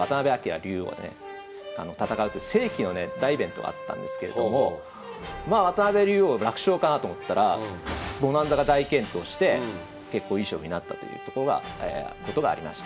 竜王ね戦うという世紀のね大イベントがあったんですけれどもまあ渡辺竜王楽勝かなと思ったらボナンザが大健闘して結構いい将棋になったということがありました。